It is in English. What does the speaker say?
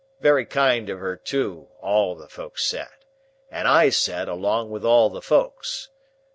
Very kind of her too, all the folks said, and I said, along with all the folks.